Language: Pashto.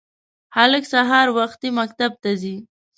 هلک سهار وختي مکتب ته ځي